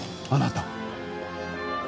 あなた